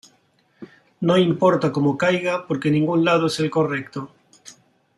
No importa como caiga porque ningún lado es el correcto.